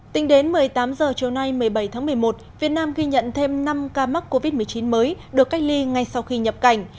tính đến một mươi tám h chiều nay một mươi bảy tháng một mươi một việt nam ghi nhận thêm năm ca mắc covid một mươi chín mới được cách ly ngay sau khi nhập cảnh